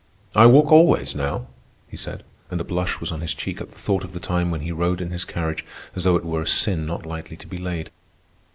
"I walk always now," he said, and a blush was on his cheek at the thought of the time when he rode in his carriage, as though it were a sin not lightly to be laid.